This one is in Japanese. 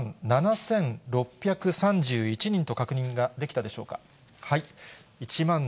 １万７６３１人と確認ができたでしょうか。